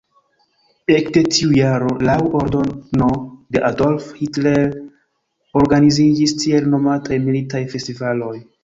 Ekde tiu jaro laŭ ordono de Adolf Hitler organiziĝis tiel nomataj "militaj festivaloj".